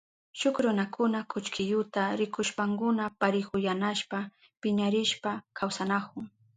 Shuk runakuna kullkiyuta rikushpankuna parihuyanayashpa piñarishpa kawsanahun.